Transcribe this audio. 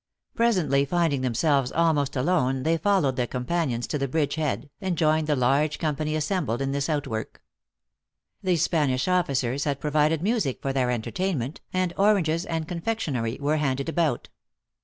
Presently, finding themselves almost alone they fol lowed their companions, to the bridge head, and joined the large company assembled in this outwork. The Spanish officers had provided music for their enter tainment, and oranges and confectionary were handed about.